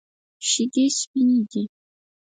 شیدې سپینې دي.